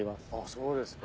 そうですか。